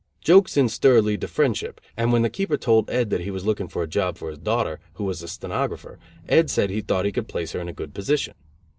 Jokes in stir lead to friendship, and when the keeper told Ed that he was looking for a job for his daughter, who was a stenographer, Ed said he thought he could place her in a good position.